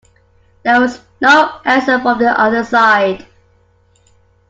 There was no answer from the other side.